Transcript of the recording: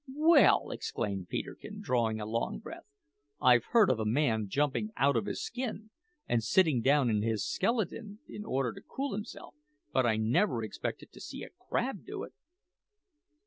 "Well," exclaimed Peterkin, drawing a long breath, "I've heard of a man jumping out of his skin and sitting down in his skeleton in order to cool himself, but I never expected to see a crab do it!"